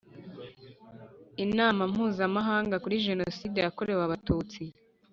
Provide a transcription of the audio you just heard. Inama Mpuzamahanga kuri Jenoside yakorewe Abatutsi